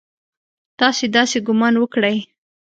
تاسې داسې ګومان وکړئ!